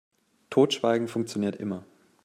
Totschweigen funktioniert immer.